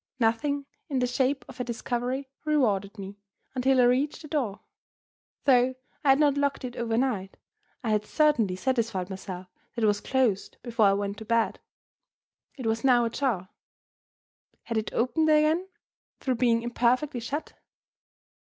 Nothing in the shape of a discovery rewarded me, until I reached the door. Though I had not locked it overnight, I had certainly satisfied myself that it was closed before I went to bed. It was now ajar. Had it opened again, through being imperfectly shut?